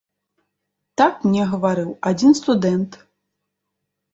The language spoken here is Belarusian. Так мне гаварыў адзін студэнт.